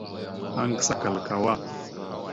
Aŋgəsa kal kawá.